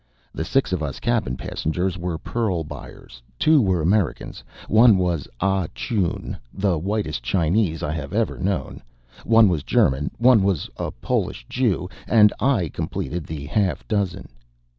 The six of us cabin passengers were pearl buyers. Two were Americans, one was Ah Choon (the whitest Chinese I have ever known), one was a German, one was a Polish Jew, and I completed the half dozen.